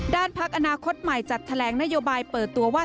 พักอนาคตใหม่จัดแถลงนโยบายเปิดตัวว่า